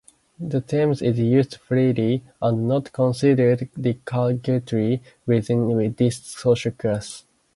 The term is used freely and not considered derogatory within this social class.